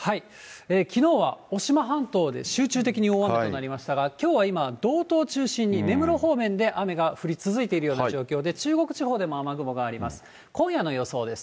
きのうは渡島半島で集中的に大雨となりましたが、きょうは今、道東を中心に、根室方面で雨が降り続いているような状況で、中国地方でも雨雲があります。